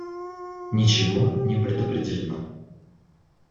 Ничего не предопределено.